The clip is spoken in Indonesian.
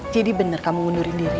jadi bener kamu ngundurin diri